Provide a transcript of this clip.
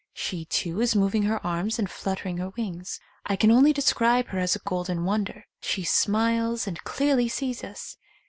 She, too, is moving her arms and fluttering her wings. I can only describe her as a golden wonder. She smiles and clearly sees us.